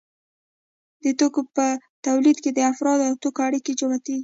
د توکو په تولید کې د افرادو او توکو اړیکې جوتېږي